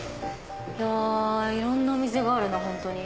いやいろんなお店があるなぁ本当に。